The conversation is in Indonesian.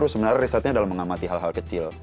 sebenarnya risetnya adalah mengamati hal hal kecil